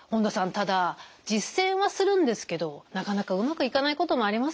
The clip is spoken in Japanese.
ただ実践はするんですけどなかなかうまくいかないこともありますよね。